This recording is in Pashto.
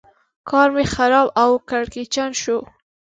کار مې خراب او کړکېچن شو.